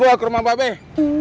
ampatan gue ke rumah buah bok